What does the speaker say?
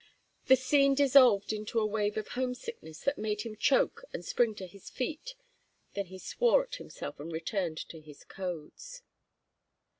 The scene dissolved into a wave of homesickness that made him choke and spring to his feet. Then he swore at himself and returned to his codes.